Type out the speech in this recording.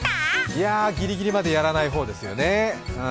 いや、ギリギリまでやらない方ですよね。